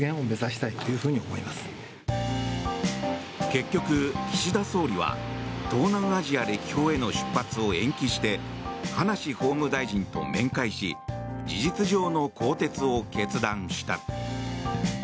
結局、岸田総理は東南アジア歴訪への出発を延期して葉梨法務大臣と面会し事実上の更迭を決断した。